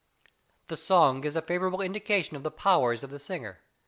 The song gives a favourable indication of the powers of the singer.